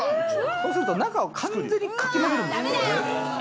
そうすると中を完全にかきまぜるんですよ。